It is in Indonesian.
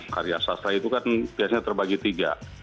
karya sastra itu kan biasanya terbagi tiga